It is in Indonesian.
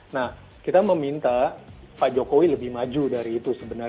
nah kita meminta pak jokowi lebih maju dari itu sebenarnya